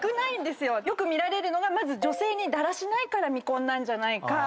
よく見られるのがまず女性にだらしないから未婚なんじゃないか。